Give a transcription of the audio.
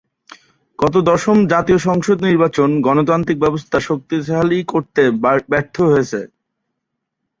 গত দশম জাতীয় সংসদ নির্বাচন গণতান্ত্রিক ব্যবস্থা শক্তিশালী করতে ব্যর্থ হয়েছে।